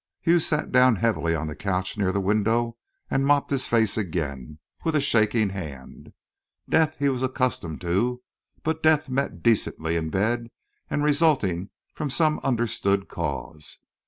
Hughes sat down heavily on the couch near the window, and mopped his face again, with a shaking hand. Death he was accustomed to but death met decently in bed and resulting from some understood cause.